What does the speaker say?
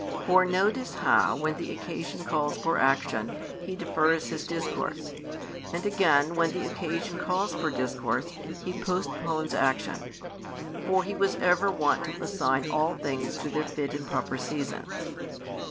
For notice how, when the occasion calls for action, He defers His discourse; and again, when the occasion calls for discourse, He postpones action: for He was ever wont to assign all things to their fit and proper seasons.